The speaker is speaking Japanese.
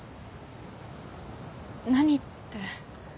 何って。